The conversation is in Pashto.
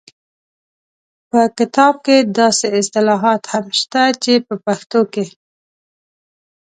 په کتاب کې داسې اصطلاحات هم شته چې په پښتو کې